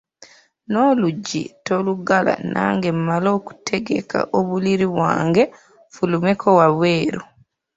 N’oluggi toluggala nange mmale okutegeka obuliri bwange nfulumeko wabweru.